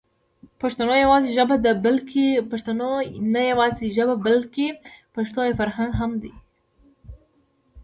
پښتو نه يوازې ژبه ده بلکې پښتو يو فرهنګ هم دی.